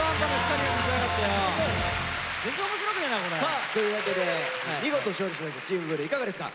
さあというわけで見事勝利しましたチームブルーいかがですか？